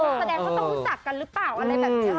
แสดงว่าต้องรู้จักกันหรือเปล่าอะไรแบบนี้